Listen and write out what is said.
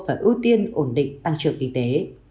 phải ưu tiên ổn định tăng trưởng kinh tế